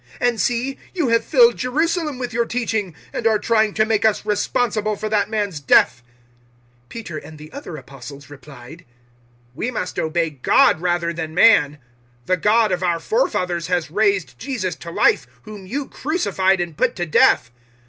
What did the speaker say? "And see, you have filled Jerusalem with your teaching, and are trying to make us responsible for that man's death!" 005:029 Peter and the other Apostles replied, "We must obey God rather than man. 005:030 The God of our forefathers has raised Jesus to life, whom you crucified and put to death.